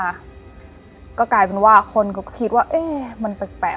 ก็กลายเป็นว่าคนก็คิดว่าเอ๊ะมันแปลก